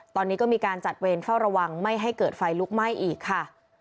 ตอนนี้ก็มีการจัดเวรเฝ้าระวังไม่ให้เกิดไฟลุกไหม้อีกค่ะ